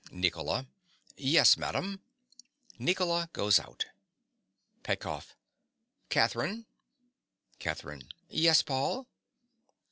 NICOLA. Yes, madam. (Nicola goes out.) PETKOFF. Catherine. CATHERINE. Yes, Paul?